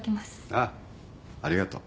あっありがとう。